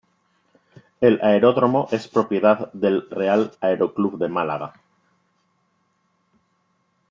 El aeródromo es propiedad del Real Aeroclub de Málaga.